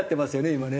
今ね。